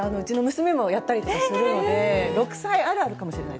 うちの娘もやったりとかするので６歳あるあるかもしれない。